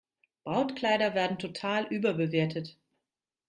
Brautkleider werden total überbewertet.